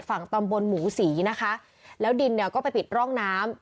ฝั่งตำบลหมูศรีนะคะแล้วดินเนี่ยก็ไปปิดร่องน้ำ